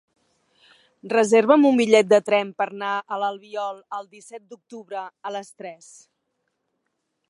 Reserva'm un bitllet de tren per anar a l'Albiol el disset d'octubre a les tres.